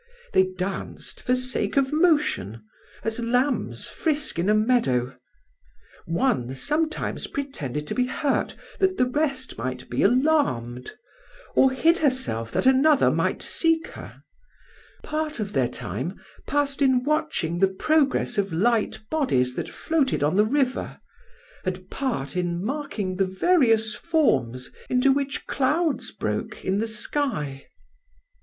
They danced for the sake of motion, as lambs frisk in a meadow. One sometimes pretended to be hurt that the rest might be alarmed, or hid herself that another might seek her. Part of their time passed in watching the progress of light bodies that floated on the river, and part in marking the various forms into which clouds broke in the sky.